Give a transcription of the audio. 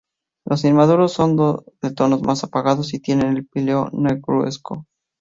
Los inmaduros son de tonos más apagados y tienen el píleo negruzco.